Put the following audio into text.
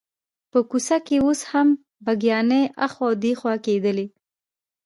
په کوڅه کې اوس هم بګیانې اخوا دیخوا کېدلې.